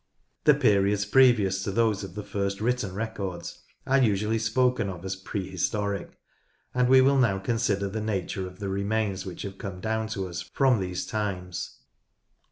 The periods previous to those of the first written records are usually spoken of as "Prehistoric," and we will now consider the nature of the remains which have come down to us from these times.